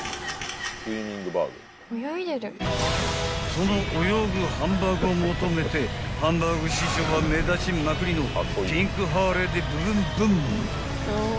［その泳ぐハンバーグを求めてハンバーグ師匠は目立ちまくりのピンクハーレーでブブンブン］